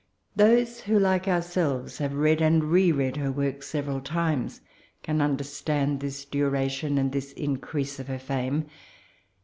Those who, like ourselves, have read and re read her works several times, can understand this duration, and this increase of her fame.